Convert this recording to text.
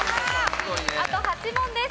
あと８問です。